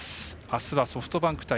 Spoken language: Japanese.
あすはソフトバンク対